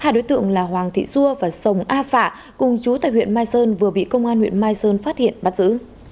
hai đối tượng là hoàng thị xua và sông a phạ cùng chú tại huyện mai sơn vừa bị công an huyện mai sơn phát hiện bắt giữ